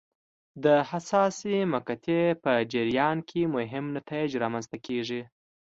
د حساسې مقطعې په جریان کې مهم نتایج رامنځته کېږي.